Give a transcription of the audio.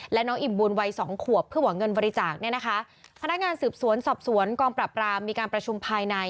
และน้องอิ่มบุญวัยสองขวบเพื่อหวังเงินบริจาคเนี่ยนะคะพนักงานสืบสวนสอบสวนกองปรับรามมีการประชุมภายใน